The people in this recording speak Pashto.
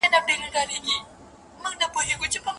په قران کريم کي د يوسف عليه السلام قصه مسلسله ده.